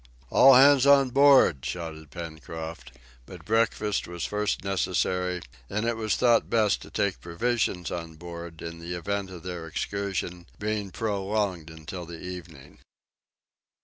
"All hands on board," shouted Pencroft; but breakfast was first necessary, and it was thought best to take provisions on board, in the event of their excursion being prolonged until the evening.